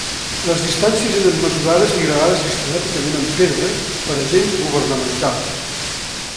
Les distàncies eren mesurades i gravades sistemàticament en pedra per agents governamentals.